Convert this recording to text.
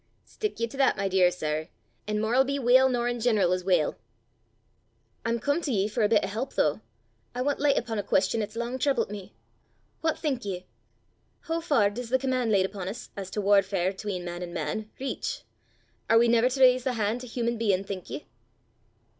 Stick ye to that, my dear sir, an' mair 'll be weel nor in general is weel." "I'm come to ye for a bit o' help though; I want licht upo' a queston 'at 's lang triblet me. What think ye? hoo far does the comman' laid upo' 's, as to warfare 'atween man an' man, reach? Are we never ta raise the han' to human bein', think ye?"